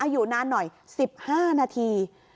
อยู่นานหน่อย๑๕นาที